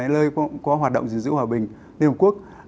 nơi có hoạt động gìn giữ hòa bình liên hợp quốc